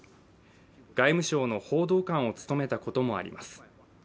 外務省の報道官を務めたこともあります。